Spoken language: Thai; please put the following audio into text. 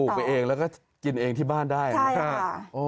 ปลูกไปเองเราก็กินเองที่บ้านได้ใช่ค่ะ